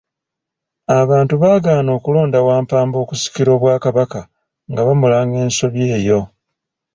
Abantu baagaana okulonda Wampamba okusikira Obwakabaka nga bamulanga ensobi eyo.